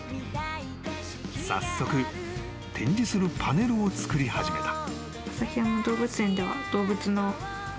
［早速展示するパネルを作り始めた］